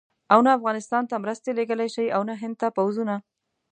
او نه افغانستان ته مرستې لېږلای شي او نه هند ته پوځونه.